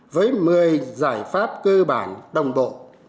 với một mươi giải pháp cơ bản đồng bộ